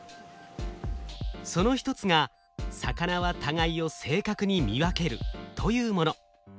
その一つが魚は互いを正確に見分けるというもの。